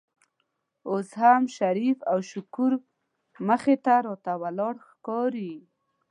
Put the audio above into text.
اوس هم شریف او شکور مخې ته راته ولاړ ښکاري.